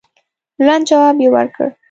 لنډ جواب یې ورکړ.